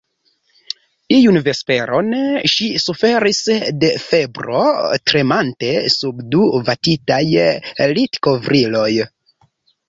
Iun vesperon ŝi suferis de febro, tremante sub du vatitaj litkovriloj.